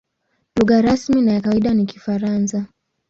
Lugha rasmi na ya kawaida ni Kifaransa.